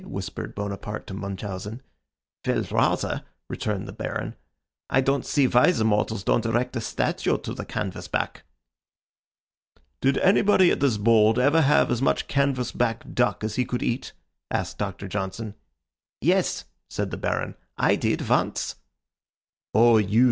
whispered Bonaparte to Munchausen. "Well, rather," returned the Baron. "I don't see why the mortals don't erect a statue to the canvas back." "Did anybody at this board ever have as much canvas back duck as he could eat?" asked Doctor Johnson. "Yes," said the Baron. "I did. Once." "Oh, you!"